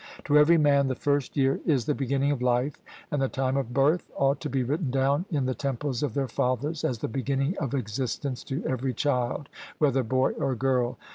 To every man the first year is the beginning of life, and the time of birth ought to be written down in the temples of their fathers as the beginning of existence to every child, whether boy or girl.